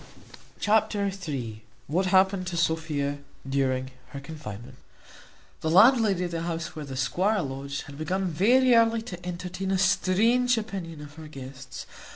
Chapter iii. What happened to Sophia during her confinement. The landlady of the house where the squire lodged had begun very early to entertain a strange opinion of her guests.